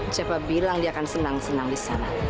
siapa bilang dia akan senang senang di sana